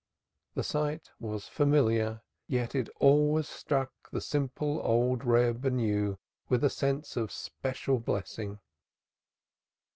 The sight was familiar yet it always struck the simple old Reb anew, with a sense of special blessing.